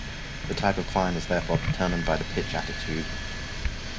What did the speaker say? The type of climb is therefore determined by the pitch attitude.